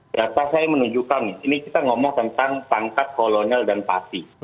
data saya menunjukkan ini kita ngomong tentang pangkat kolonel dan pati